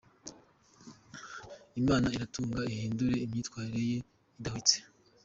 Imana iratumva ihindure imyitwariye ye idahwitse !!».